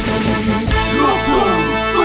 โปรดได้ช่วยดนเส้นทุกคนสงสารสิริ